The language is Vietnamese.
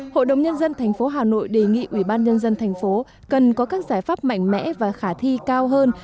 hội đồng nhân dân tp hà nội đề nghị ủy ban nhân dân thành phố cần có các giải pháp mạnh mẽ và khả thi cao hơn